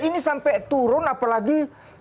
ini sampai turun apalagi